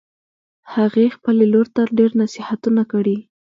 هغې خپلې لور ته ډېر نصیحتونه کړي